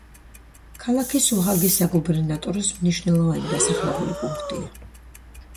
ქალაქი სუჰაგის საგუბერნატოროს მნიშვნელოვანი დასახლებული პუნქტია.